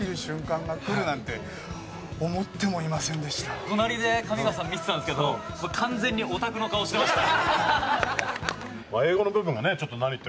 宮田：隣で、上川さん見てたんですけど完全にオタクの顔してました。